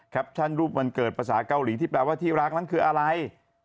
ชั่นรูปวันเกิดภาษาเกาหลีที่แปลว่าที่รักนั้นคืออะไร